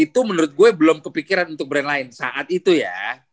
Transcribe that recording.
itu menurut gue belum kepikiran untuk brand lain saat itu ya